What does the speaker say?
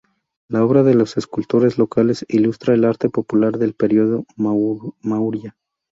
La obra de los escultores locales ilustra el arte popular del período Maurya.